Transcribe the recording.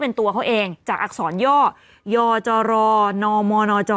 เป็นตัวเขาเองจากอักษรย่อยจรนมนจ